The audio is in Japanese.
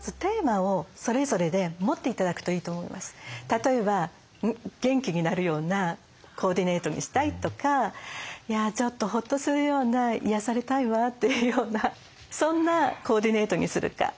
例えば元気になるようなコーディネートにしたいとかちょっとほっとするような癒やされたいわっていうようなそんなコーディネートにするか。